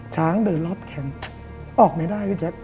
ช้างเดินรอบแขนออกไม่ได้ครับแจ๊ค